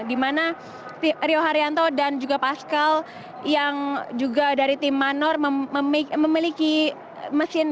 di mana rio haryanto dan juga pascal yang juga dari tim manor memiliki mesin